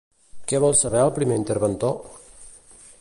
Què vol saber el primer interventor?